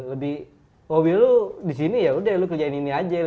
lebih hobi lu disini yaudah lu kerjain ini aja